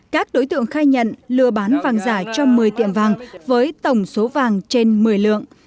các đối tượng khai nhận lừa bán vàng giả cho một mươi tiệm vàng với tổng số vàng trên một mươi lượng